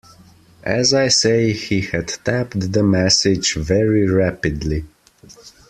As I say, he had tapped the message very rapidly.